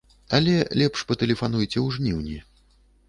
Але лепш патэлефануйце ў жніўні.